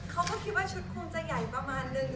เขาก็คิดว่าชุดคงจะใหญ่ประมาณนึง